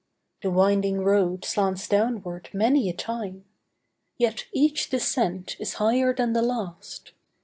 The winding road slants downward many a time; Yet each descent is higher than the last.